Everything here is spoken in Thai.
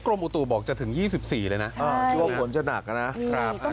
กรมอุตุบอกจะถึง๒๔เลยนะช่วงฝนจะหนักนะต้องเตรียมรับมือ